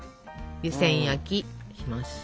湯せん焼きします。